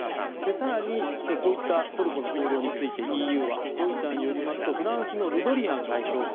更に、こういったトルコの行動についてＥＵはロイターによりますとフランスのルドリアン外相が